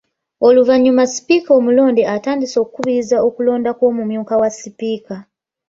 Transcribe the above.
Oluvannyuma Sipiika omulonde atandise okukubiriza okulonda kw’Omumyuka wa Sipiika.